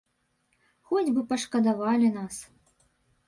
Хоць бы пашкадавалі нас.